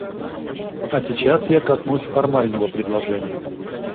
А сейчас я коснусь формального предложения.